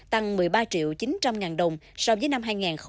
tăng một mươi ba triệu chín trăm linh ngàn đồng so với năm hai nghìn một mươi bảy